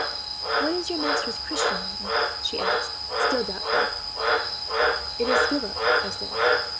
"'What is your master's Christian name?' she asked, still doubtful. "'It is Philip,' I said.